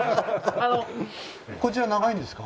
こちら長いんですか？